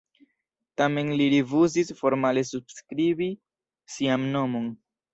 Tamen li rifuzis formale subskribi sian nomon.